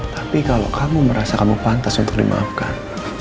tapi kalau kamu merasa kamu pantas untuk dimaafkan